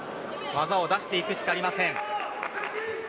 技を出していくしかありません。